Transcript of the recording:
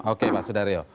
oke pak sudaryo